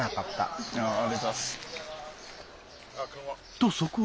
とそこへ。